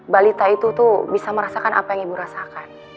balita itu tuh bisa merasakan apa yang ibu rasakan